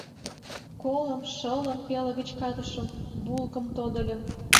Колым, шылым пелыгыч катышым, булкым тодыльым.